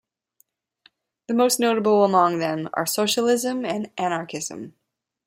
The most notable among them are socialism and anarchism.